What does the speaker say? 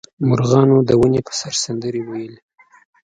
مرغانو د ونې په سر سندرې ویلې.